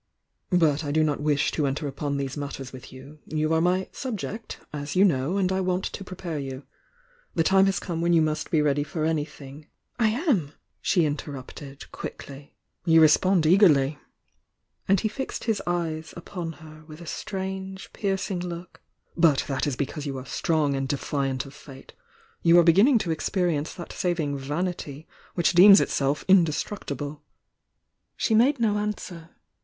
But I do not wish to enter upon these matters with you, — ^you are my 'subject,' as you know, and I want to prepare you. The time has come when you must be ready for anything " "I am!" she interrupted, quickly. "You respond eagerly!" — and he fixed his eyes upon her with a strange, piercing look. "But that is because you are strong and defiant of fate. You are beginning to experience that saving vanity which deems itself indestructible!" She made no answer.